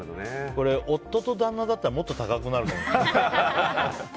これ、夫と旦那だったらもっと高くなるかもしれないね。